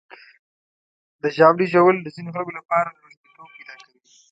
د ژاولې ژوول د ځینو خلکو لپاره روږديتوب پیدا کوي.